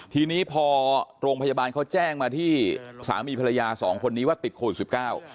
ทีนี้พอโรงพยาบาลเขาแจ้งมาที่สามีภรรยาสองคนนี้ว่าติดโควิดสิบเก้า